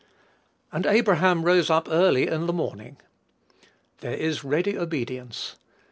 "And Abraham rose up early in the morning." There is ready obedience.